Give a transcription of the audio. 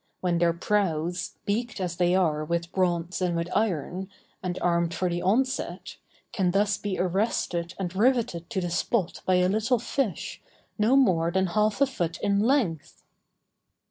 —when their prows, beaked as they are with bronze and with iron, and armed for the onset, can thus be arrested and riveted to the spot by a little fish, no more than half a foot in length!